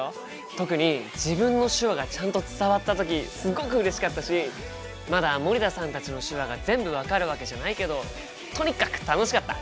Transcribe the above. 特に自分の手話がちゃんと伝わった時すごくうれしかったしまだ森田さんたちの手話が全部分かるわけじゃないけどとにかく楽しかった！